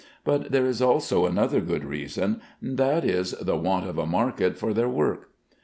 But there is also another good reason, and that is, the want of a market for their work.